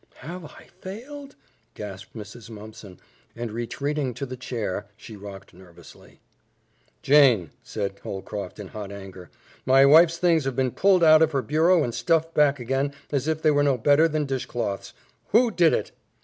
"Have I failed?" gasped Mrs. Mumpson, and retreating to the chair, she rocked nervously. "Jane," said Holcroft in hot anger, "my wife's things have been pulled out of her bureau and stuffed back again as if they were no better than dishcloths. Who did it?"